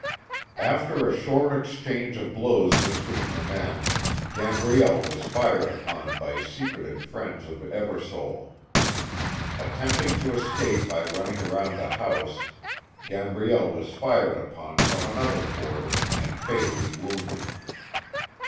After a short exchange of blows between the men, Gambriel was fired upon by secreted friends of Eversole. Attempting to escape by running around a house, Gambriel was fired upon from another quarter and fatally wounded.